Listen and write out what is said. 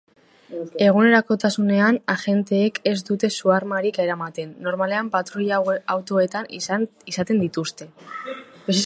Egunerokotasunean agenteek ez dute su-armarik eramaten, normalean patruila-autoetan izaten dituzte.